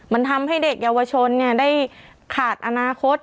ผู้ชนเนี่ยได้ขาดอนาคต